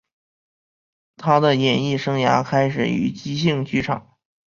他的演艺生涯开始于即兴剧场。